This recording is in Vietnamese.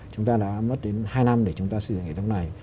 chúng ta đã mất đến hai năm để xây dựng hệ thống này